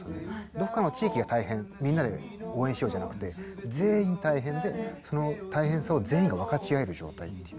どこかの地域が大変みんなで応援しようじゃなくて全員大変でその大変さを全員が分かち合える状態っていう。